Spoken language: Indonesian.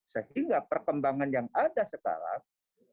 sehingga perkembangan yang ada sekarang